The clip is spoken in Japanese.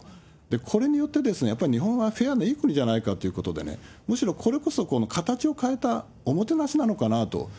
これによって、やっぱり日本はフェアないい国じゃないかということで、むしろ、これこそ形を変えたおもてなしなのかなと。